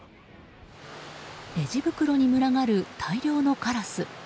レジ袋に群がる大量のカラス。